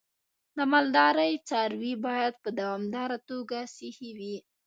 د مالدارۍ څاروی باید په دوامداره توګه صحي وي.